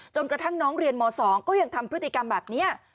กระทั่งน้องเรียนม๒ก็ยังทำพฤติกรรมแบบนี้